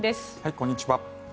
こんにちは。